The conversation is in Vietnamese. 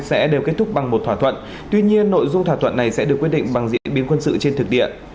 sẽ đều kết thúc bằng một thỏa thuận tuy nhiên nội dung thỏa thuận này sẽ được quyết định bằng diễn biến quân sự trên thực địa